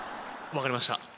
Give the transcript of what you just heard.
分かりました。